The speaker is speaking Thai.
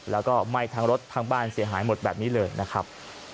แล้วก็ไหม้ทั้งรถทั้งบ้านเสียหายหมดแบบนี้เลยนะครับ